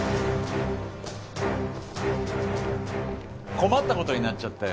困った事になっちゃったよ。